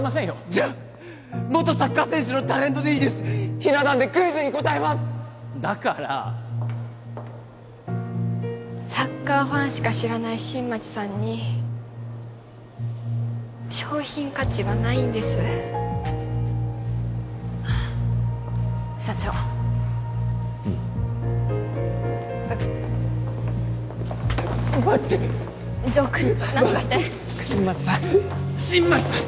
じゃあ元サッカー選手のタレントでいいですひな壇でクイズに答えますだからサッカーファンしか知らない新町さんに商品価値はないんです社長うん待って城くん何とかして新町さん新町さん！